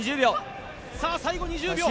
最後、２０秒。